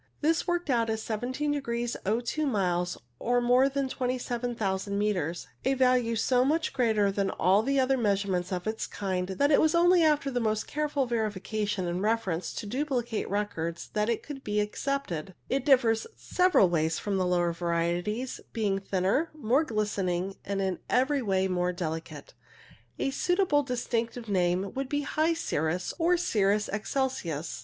This worked out as iyo2 miles, or more than 27,000 metres, a value so much greater than all other measurements of the kind that it was only after most careful verification and reference to duplicate records that it could be accepted. It differs in several ways from the lower varieties, being thinner, more glistening, and in every way more delicate. A suitable distinctive name would be high cirrus, or cirrus excelsus.